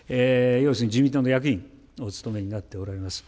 要するに自民党の役員をお務めになっておられます。